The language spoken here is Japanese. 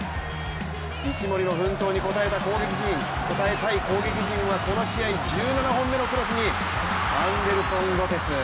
一森の奮闘に応えたい攻撃陣はこの試合１７本目のクロスにアンデルソン・ロペス。